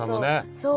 そう！